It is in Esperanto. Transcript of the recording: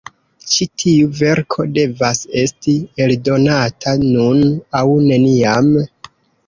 Ĉi tiu verko devas esti eldonata nun aŭ neniam.